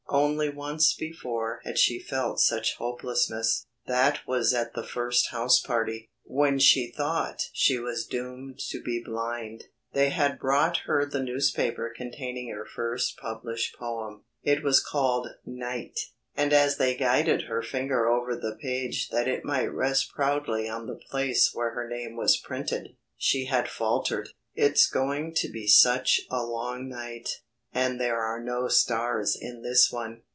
Only once before had she felt such hopelessness. That was at the first house party, when she thought she was doomed to be blind. They had brought her the newspaper containing her first published poem. It was called "Night," and as they guided her finger over the page that it might rest proudly on the place where her name was printed, she had faltered, "It's going to be such a long night, and there are no stars in this one!"